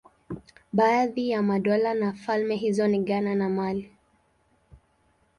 Baadhi ya madola na falme hizo ni Ghana na Mali.